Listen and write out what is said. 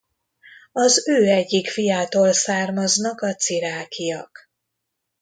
Az ő egyik fiától származnak a Czirákyak.